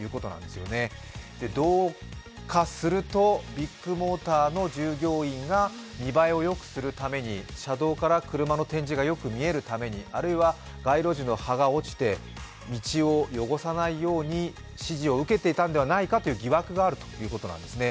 ビッグモーターの従業員が見栄えをよくするために、見栄えをよくするために車道から車の展示がよく見えるためにあるいは街路樹の葉が落ちて、道を汚さないように指示を受けていたのではないかという疑惑があるということですね。